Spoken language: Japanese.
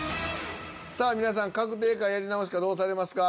さあ皆さん確定かやり直しかどうされますか？